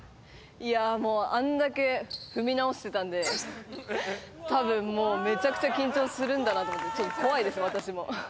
いやもうあれだけ踏み直してたんで多分もうめちゃくちゃ緊張するんだなと思ってちょっと怖いです私も。